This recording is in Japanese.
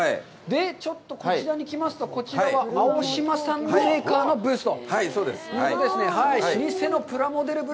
ちょっとこちらに来ますと、こちらはＡＯＳＨＩＭＡ産のメーカーのブースと。